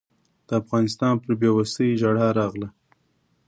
د افغانستان پر بېوسۍ ژړا راغله.